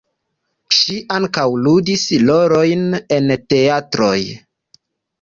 Ŝi ankaŭ ludis rolojn en teatroj.